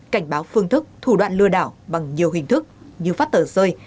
cảnh báo phương thức thủ đoạn lừa đảo bằng nhiều hình thức như phát tờ rơi